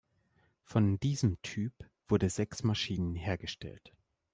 Von diesem Typ wurde sechs Maschinen hergestellt.